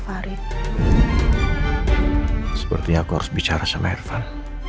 aku harus bicara sama irfan